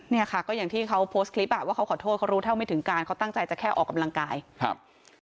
เนี่ยค่ะก็อย่างที่เขาโพสต์คลิปอ่ะว่าเขาขอโทษเขารู้เท่าไม่ถึงการเขาตั้งใจจะแค่ออกกำลังกายครับ